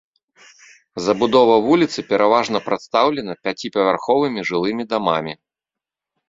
Забудова вуліцы пераважна прадстаўлена пяціпавярховымі жылымі дамамі.